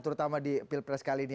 terutama di pilpres kali ini